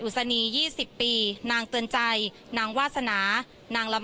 พูดสิทธิ์ข่าวธรรมดาทีวีรายงานสดจากโรงพยาบาลพระนครศรีอยุธยาครับ